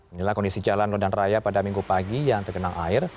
inilah kondisi jalan lodan raya pada minggu pagi yang tergenang air